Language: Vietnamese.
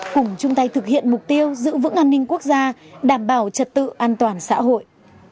cùng chung tay thực hiện mục tiêu giữ vững an ninh quốc gia đảm bảo trật tự an toàn xã hội